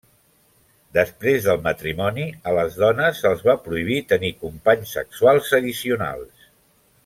Després del matrimoni, a les dones se'ls va prohibir tenir companys sexuals addicionals.